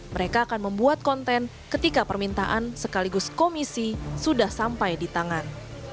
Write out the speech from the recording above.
mereka akan membuat konten ketika permintaan sekaligus komisi sudah sampai di tangan